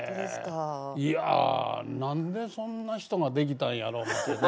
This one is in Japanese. いや何でそんな人ができたんやろ思うてね。